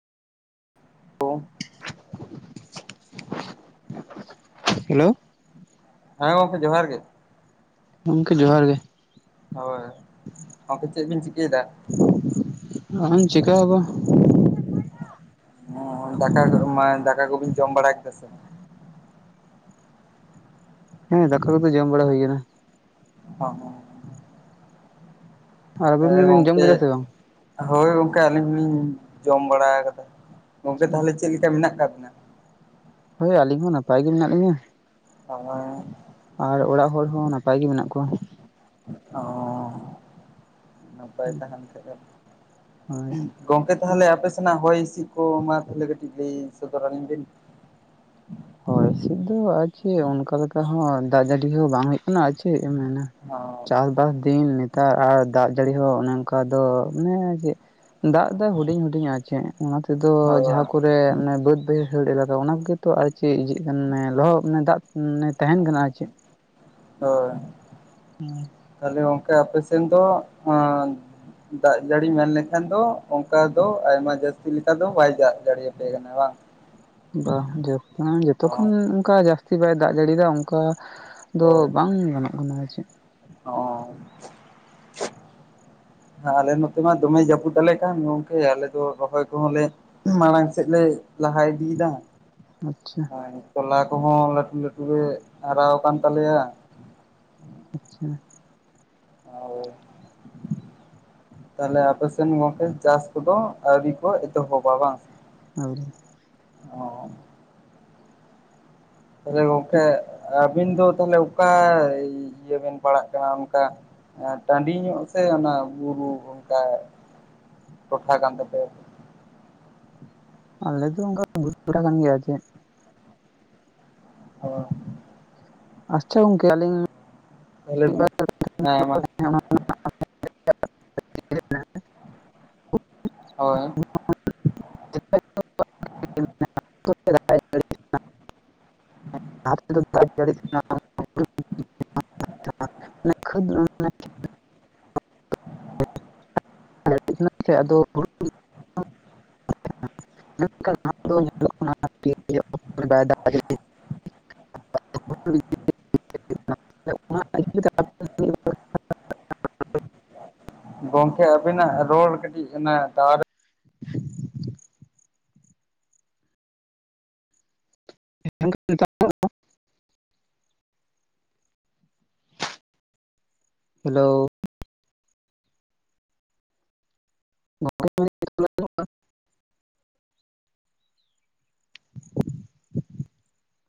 ᱠᱚ ᱦᱮᱞᱳ ᱦᱮᱸ ᱜᱚᱝᱠᱮ ᱡᱚᱦᱟᱨ ᱜᱮ᱾ ᱜᱚᱝᱠᱮ ᱡᱚᱦᱟᱨ ᱜᱮ ᱾ ᱦᱳᱭ ᱟᱫᱚ ᱪᱮᱫ ᱵᱤᱱ ᱪᱤᱠᱟᱹᱭᱮᱫᱟ? ᱟᱦᱟ ᱪᱤᱠᱟᱹ ᱦᱚᱸ ᱠᱟ ᱚ ᱫᱟᱠᱟ ᱠᱚ ᱢᱟ ᱫᱟᱠᱟ ᱠᱚᱵᱤ ᱡᱚᱢ ᱵᱟᱲᱟ ᱠᱮᱫᱟ ᱥᱮ ᱵᱟ? ᱦᱮᱸ ᱫᱟᱠᱟ ᱠᱚᱫᱚ ᱡᱚᱢ ᱵᱟᱲᱟ ᱦᱩᱭ ᱠᱟᱱᱟ᱾ ᱦᱳ ᱦᱳ ᱦᱮᱸ [unintelligible] ᱦᱮᱸ ᱜᱚᱝᱠᱮ ᱠᱮᱫᱟ ᱥᱮ ᱵᱟᱝ ᱦᱳᱭ ᱜᱚᱝᱠᱮ ᱟᱹᱞᱤᱧ ᱦᱚᱸᱞᱤᱧ ᱡᱚᱢ ᱵᱟᱲᱟ ᱠᱟᱫᱟ᱾ ᱜᱚᱝᱠᱮ ᱛᱟᱦᱚᱞᱮ ᱪᱮᱫ ᱞᱮᱠᱟ ᱢᱮᱱᱟᱜ ᱟᱠᱟᱫ ᱵᱤᱱᱟ? ᱦᱳᱭ ᱟᱹᱞᱤᱧ ᱦᱚᱸ ᱱᱟᱯᱟᱭ ᱜᱮ ᱢᱮᱱᱟᱜ ᱞᱤᱧᱟᱹ ᱾ ᱛᱟᱦᱚᱞᱮ ᱟᱨ ᱚᱲᱟᱜ ᱦᱚᱲ ᱦᱚᱸ ᱱᱟᱯᱟᱭ ᱜᱮ ᱢᱮᱱᱟᱜ ᱠᱚᱣᱟ ᱾ ᱚᱸ ᱱᱟᱯᱟᱭ ᱛᱟᱦᱮᱱ ᱠᱷᱟᱡ ᱜᱮ ᱦᱳᱭ ᱜᱚᱝᱠᱮ ᱛᱟᱦᱚᱞᱮ ᱟᱯᱮ ᱥᱮᱱᱟᱜ ᱦᱚᱭ ᱦᱤᱸᱥᱤᱫ ᱠᱚ ᱢᱟ ᱛᱟᱦᱚᱞᱮ ᱠᱟᱹᱴᱤᱡ ᱞᱟᱹᱭ ᱥᱚᱫᱚᱨ ᱟᱹᱞᱤᱧ ᱵᱤᱱ? ᱦᱚᱭ ᱦᱤᱥᱤᱫ ᱫᱚ ᱟᱨ ᱪᱮᱫ ᱚᱱᱠᱟ ᱞᱮᱠᱟ ᱦᱚᱸ ᱫᱟᱜ ᱡᱟᱹᱲᱤ ᱦᱚᱸ ᱵᱟᱝ ᱦᱩᱭᱩᱜ ᱠᱟᱱᱟ ᱟᱨ ᱪᱮᱫ ᱮᱢ ᱢᱮᱱᱟ ᱾ ᱦᱚᱸ ᱪᱟᱥ ᱵᱟᱥ ᱫᱤᱱ ᱱᱮᱛᱟᱨ ᱟᱨ ᱫᱟᱜ ᱡᱟᱹᱲᱤ ᱦᱚᱸ ᱚᱱᱮ ᱚᱱᱠᱟ ᱫᱚ ᱢᱟᱱᱮ ᱪᱮᱫ ᱫᱟᱜ ᱫᱚᱭ ᱦᱩᱰᱤᱧ ᱦᱩᱰᱤᱧ ᱧᱟ ᱪᱮᱫ ᱚᱱᱟᱛᱮ ᱛᱮᱫᱚ ᱦᱳᱭ ᱡᱟᱦᱟᱸ ᱠᱚᱨᱮ ᱢᱟᱱᱮ ᱵᱟᱹᱫ ᱵᱟᱹᱭᱦᱟᱹᱲ ᱮᱞᱟᱠᱟ ᱚᱱᱟ ᱠᱚ ᱜᱮ ᱛᱚ ᱟᱨ ᱪᱮ ᱡᱮᱜ ᱠᱟᱱ ᱞᱚᱦᱚᱜ ᱢᱟᱱᱮ ᱫᱟᱜ ᱢᱟᱱᱮ ᱛᱟᱦᱮᱱ ᱠᱟᱱᱟ ᱟᱨ ᱪᱮᱫ! ᱦᱚᱭ ᱛᱟᱦᱚᱞᱮ ᱜᱚᱝᱠᱮ ᱟᱯᱮ ᱥᱮᱱ ᱫᱚ ᱫᱟᱜ ᱡᱟᱹᱲᱤ ᱢᱮᱱ ᱞᱮᱱᱷᱟᱱ ᱫᱚ ᱚᱝᱠᱟ ᱫᱚ ᱟᱭᱢᱟ ᱡᱟᱹᱥᱛᱤ ᱞᱮᱠᱟ ᱫᱚ ᱵᱟᱭ ᱫᱟᱜ ᱡᱟᱹᱲᱤ ᱟᱯᱮ ᱠᱟᱱᱟ ᱵᱟᱝ! [inaudible] ᱵᱟ ᱡᱚᱛᱚ ᱡᱚᱛᱚ ᱠᱷᱚᱱ ᱚ ᱚᱱᱠᱟ ᱡᱟᱹᱥᱛᱤ ᱵᱟᱭ ᱫᱟᱜ ᱡᱟᱲᱤ ᱫᱟᱭ ᱚᱝᱠᱟ ᱫᱚ ᱵᱟᱝ ᱜᱟᱱᱚᱜ ᱠᱟᱱᱟ ᱟᱨ ᱪᱮᱫ ᱾ ᱚᱸᱻ [inaudible] ᱦᱮᱸ ᱟᱞᱮ ᱱᱚᱛᱮ ᱢᱟ ᱫᱚᱢᱮᱭ ᱡᱟᱹᱯᱩᱫ ᱟᱞᱮ ᱠᱟᱱ ᱜᱚᱝᱠᱮ ᱟᱞᱮ ᱫᱚ ᱨᱚᱦᱚᱭ ᱠᱚᱦᱚᱸ ᱞᱮ ᱢᱟᱲᱟᱝ ᱥᱮᱫ ᱞᱮ ᱞᱟᱦᱟᱭ ᱤᱫᱤ ᱮᱫᱟ ᱾ ᱟᱪᱪᱷᱟ ᱾ ᱟᱨ ᱛᱚᱞᱟ ᱠᱚᱦᱚᱸ ᱞᱟᱹᱴᱩ ᱞᱟᱹᱴᱩ ᱜᱮ ᱦᱟᱨᱟᱣ ᱟᱠᱟᱱ ᱛᱟᱞᱮᱭᱟ ᱾ ᱟᱪᱪᱷᱟ ᱾ ᱦᱳᱭ ᱾ ᱛᱟᱦᱚᱞᱮ ᱟᱯᱮ ᱥᱮᱱ ᱜᱚᱝᱠᱮ ᱪᱟᱥ ᱠᱚᱫᱚ ᱟᱹᱣᱨᱤ ᱠᱚ ᱮᱛᱚᱦᱚᱵᱼᱟ ᱵᱟᱝ? ᱟᱹᱣᱨᱤ ᱾ ᱚ ᱛᱟᱦᱚᱞᱮ ᱜᱚᱝᱠᱮ ᱟᱹᱵᱤᱱ ᱫᱚ ᱛᱟᱦᱚᱞᱮ ᱚᱠᱟ ᱤᱭᱟᱹ ᱵᱤᱱ ᱯᱟᱲᱟᱜ ᱠᱟᱱᱟ ᱚᱱᱠᱟ ᱴᱟᱺᱰᱤ ᱧᱚᱜ ᱥᱮ ᱚᱱᱟ ᱵᱩᱨᱩ ᱚᱱᱠᱟ ᱴᱚᱴᱷᱟ ᱠᱟᱱ ᱛᱟᱯᱮᱭᱟ? ᱟᱞᱮ ᱫᱚ ᱚᱱᱠᱟ ᱵᱩᱨᱩ ᱴᱚᱴᱷᱟ ᱠᱟᱱ ᱜᱮᱭᱟ ᱪᱮᱫ ᱾ ᱦᱚᱸ ᱾ ᱟᱪᱪᱷᱟ ᱜᱚᱝᱠᱮ ᱟᱞᱤᱧ ᱞᱮᱵᱤᱱ ᱦᱮᱸ ᱢᱟ ᱾ [unintelligible] ᱦᱳᱭ ᱾ [unintelligible] ᱞᱟᱦᱟ ᱛᱮᱫᱚ ᱫᱟᱜ ᱮ ᱡᱟᱹᱲᱤᱭᱮᱜ ᱛᱟᱦᱮᱱᱟ [unintelligible] [unintelligible] ᱠᱟᱱᱟ ᱥᱮ ᱟᱫᱚ ᱦᱩᱲᱩ [inaudible] [inaudible] ᱧᱮᱞᱚᱜ ᱠᱟᱱᱟ ᱟᱨᱠᱤ [inaudible] ᱜᱚᱝᱠᱮ ᱟᱹᱵᱤᱱᱟᱜ ᱨᱚᱲ ᱠᱟᱹᱴᱤᱡ ᱚᱱᱟ ᱴᱟᱣᱟᱨ ᱮ [inaudible] ᱦᱮᱞᱳ! ᱜᱚᱝᱠᱮ ᱢᱮᱱᱫᱟᱧ ᱱᱤᱛᱚᱜ ᱨᱚᱲ ᱟᱸᱡᱚᱢᱚᱜ ᱠᱟᱱᱟ?